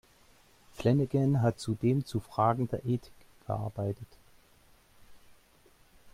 Flanagan hat zudem zu Fragen der Ethik gearbeitet.